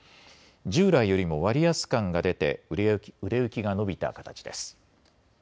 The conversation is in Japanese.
従来よりも割安感が出て売れ行きが伸びた形です。